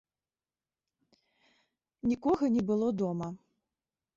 Нікога не было дома.